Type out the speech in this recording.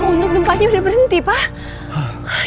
untuk gempanya sudah berhenti pak